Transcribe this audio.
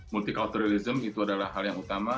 multi culturelism itu adalah hal yang utama